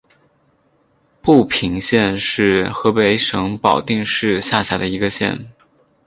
阜平县是河北省保定市下辖的一个县。